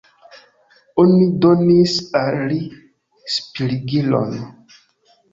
Oni donis al li spirigilon.